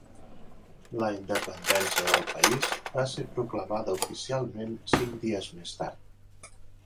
La independència del país va ser proclamada oficialment cinc dies més tard.